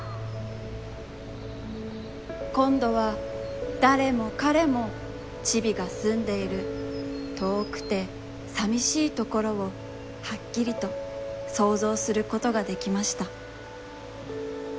こんどはだれもかれも、ちびがすんでいる、とおくてさみしいところをはっきりとそうぞうすることができました。